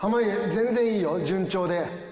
全然いいよ順調で。